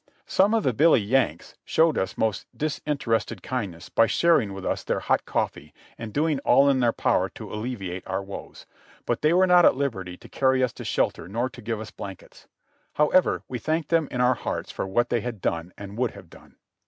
Some of the "Billy Yanks" showed us most disinterested kind ness by sharing with us their hot coffee and doing all in their power to alleviate our woes, but they were not at liberty to carry us to shelter nor to give us blankets ; however, we thanked them in our hearts for what they had done and would have done.